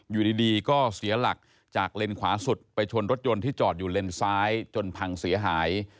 อยู่ดีก็เสียหลักจากเลนขวาสุดไปชนรถยนต์ที่จอดอยู่เลนซ้ายจนพังเสียหาย